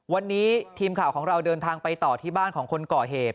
วันนี้ทีมข่าวของเราเดินทางไปต่อที่บ้านของคนก่อเหตุ